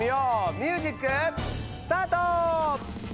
ミュージックスタート！